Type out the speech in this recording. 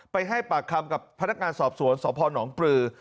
ให้ปากคำกับพนักงานสอบสวนสพนปลือ